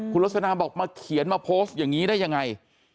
คุณลักษณะบอกมาเขียนมาโพสต์อย่างนี้ได้ยังไง